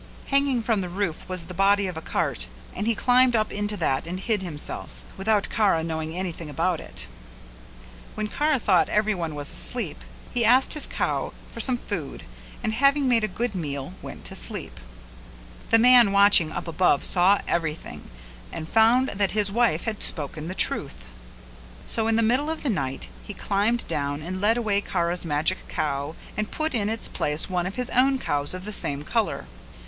Hanging from the roof was the body of a cart and he climbed up into that and hid himself, without Kara knowing anything about it. When Kara thought that every one was asleep, he asked his cow for some food and having made a good meal went to sleep. The man watching up above saw everything and found that his wife had spoken the truth; so in the middle of the night he climbed down and led away Kara's magic cow and put in its place one of his own cows of the same colour.